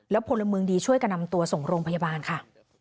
พลเมืองดีช่วยกันนำตัวส่งโรงพยาบาลค่ะ